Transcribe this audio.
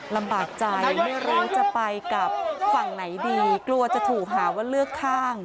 ลำบากใจไม่รู้จะไปกับฝั่งไหนดีกลัวจะถูกหาว่าเลือกข้าง